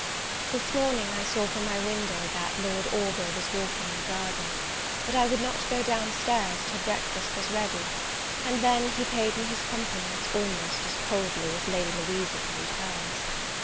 THIS morning I saw from my window, that Lord Orville was walking in the garden; but I would not go down stairs till breakfast was ready: and then, he paid me his compliments almost as coldly as Lady Louisa paid hers.